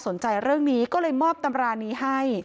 เป็นพระรูปนี้เหมือนเคี้ยวเหมือนกำลังทำปากขมิบท่องกระถาอะไรสักอย่าง